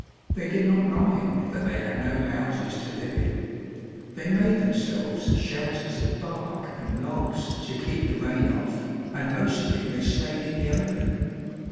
They did not mind that they had no houses to live in. They made themselves shelters of bark and logs to keep the rain off, and mostly they stayed in the open.